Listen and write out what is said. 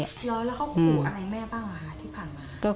แล้วครูอะไรแม่บ้างอ่าที่ผ่านมา